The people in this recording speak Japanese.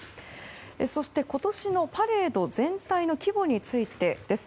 そして、今年のパレード全体の規模についてです。